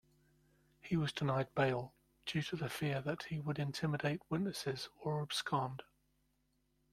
He was denied bail, due to fear that he would intimidate witnesses or abscond.